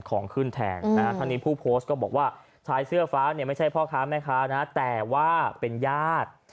ของขึ้นแทนท่านนี้ผู้โพสต์ก็บอกว่าชายเสื้อฟ้าเนี่ยไม่ใช่พ่อค้าแม่ค้านะแต่ว่าเป็นญาติ